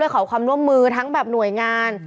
ขอความร่วมมือทั้งแบบหน่วยงาน